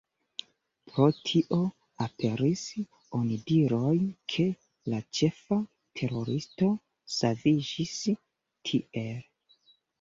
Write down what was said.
Pro tio aperis onidiroj, ke la ĉefa teroristo saviĝis tiele.